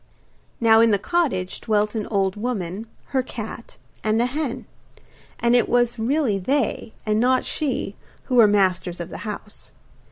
Now in the cottage dwelt an old woman, her cat, and a hen; and it was really they, and not she, who were masters of the house.